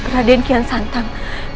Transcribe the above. raden kian santang